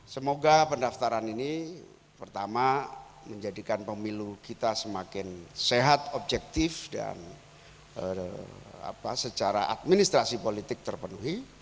semoga pendaftaran ini pertama menjadikan pemilu kita semakin sehat objektif dan secara administrasi politik terpenuhi